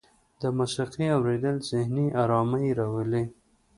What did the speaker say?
د موسیقۍ اوریدل ذهني ارامۍ راولي.